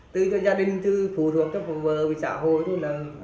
từ gia đình từ phù thuộc cho phụ vợ về xã hội thôi là